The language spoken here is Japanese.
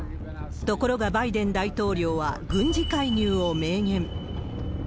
ところがバイデン大統領は、軍事介入を明言。